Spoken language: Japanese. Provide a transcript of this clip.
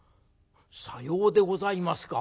「さようでございますか。